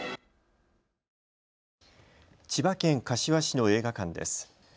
千葉県柏市の映画館です。